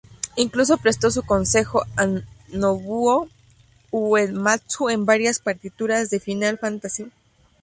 Incluso prestó su consejo a Nobuo Uematsu en varias partituras de Final Fantasy.